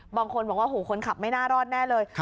บางคนบอกว่าหูคนขับไม่น่ารอดแน่เลย